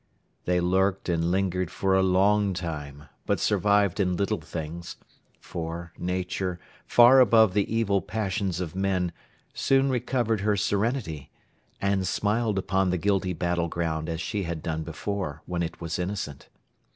They lurked and lingered for a long time, but survived in little things; for, Nature, far above the evil passions of men, soon recovered Her serenity, and smiled upon the guilty battle ground as she had done before, when it was innocent.